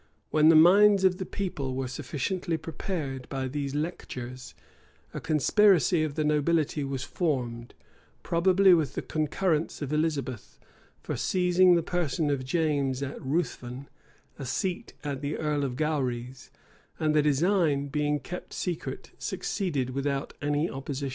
When the minds of the people were sufficiently prepared by these lectures, a conspiracy of the nobility was formed, probably with the concurrence of Elizabeth, for seizing the person of James at Ruthven, a seat of the earl of Gowry's; and the design, being kept secret, succeeded without any opposition.